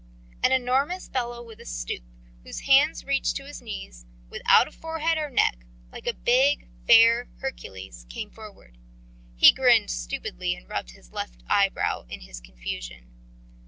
An enormous fellow with a stoop, whose hands reached to his knees, without a forehead or a neck, like a big, fair Hercules, came forward. He grinned stupidly and rubbed his left eyebrow in his confusion.